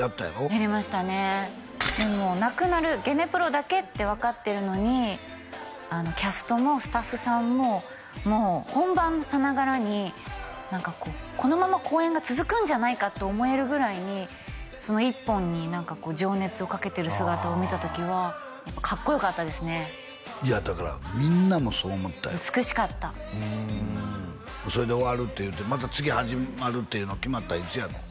やりましたねでもなくなるゲネプロだけって分かってるのにキャストもスタッフさんももう本番さながらに何かこうこのまま公演が続くんじゃないかって思えるぐらいにその１本に何かこう情熱をかけてる姿を見た時はやっぱかっこよかったですねだからみんなもそう思ったよ美しかったうんそれで終わるっていってまた次始まるっていうの決まったんいつやの？